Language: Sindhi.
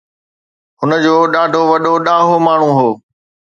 هن جو ڏاڏو وڏو ڏاهو ماڻهو هو